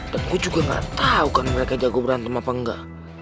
dan gue juga nggak tau kan mereka jago berantem apa nggak